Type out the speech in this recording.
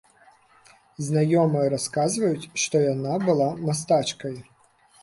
Знаёмыя расказваюць, што яна была мастачкай.